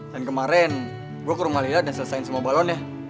dan kemarin gue ke rumah lila dan selesain semua balonnya